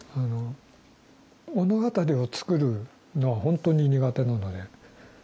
物語を作るのは本当に苦手なので。